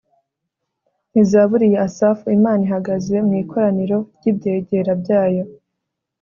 ni zaburi ya asafu. imana ihagaze mu ikoraniro ry'ibyegera byayo